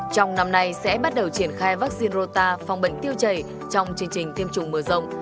trong năm nay sẽ bắt đầu triển khai vaccine rota phòng bệnh tiêu chảy trong chương trình tiêm chủng mở rộng